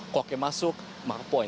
koknya masuk maka poin